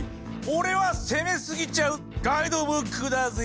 オレは攻めスギちゃうガイドブックだぜ。